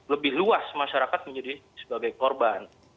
lebih luas masyarakat menjadi sebagai korban